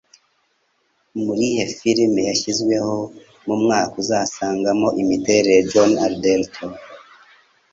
Murihe Filime Yashizweho Mumwaka Uzasangamo Imiterere John Alderton